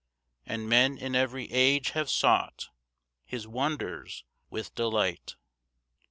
And men in every age have sought His wonders with delight.